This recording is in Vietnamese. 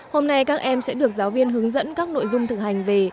hôm nay các em sẽ được giáo viên hướng dẫn các nội dung thực hành về